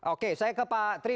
oke saya ke patri